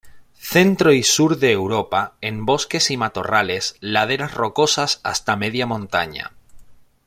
Centro y sur de Europa, en bosques y matorrales, laderas rocosas, hasta media montaña.